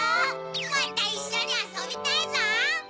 またいっしょにあそびたいゾウ。